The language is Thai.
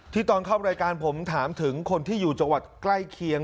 ตอนเข้ารายการผมถามถึงคนที่อยู่จังหวัดใกล้เคียง